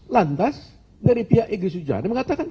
lantas dari pihak egy sujana mengatakan